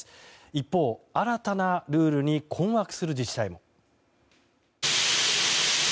一方、新たなルールに困惑する自治体も。